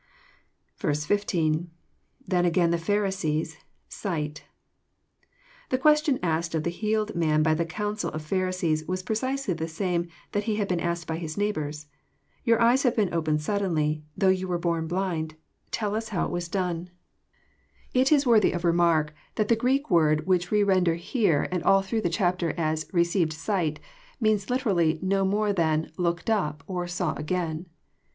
16. — [Then again the PJiarisees^.sigJU,^ The question asked of the healed man by the council of Pharisees was precisely the same that had been asked by his neighbours :'' Your eyes have been opened suddenly, though you were born blind : tell us how 11 was done." r JOHN, CHAP, IX. 153 It Is worthy of remark, that the Greek word which we ren der here and aJ] through the chapter as *' received sight," meaus literally no more than " looked up, or saw again."